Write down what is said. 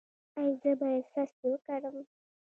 ایا زه باید څاڅکي وکاروم؟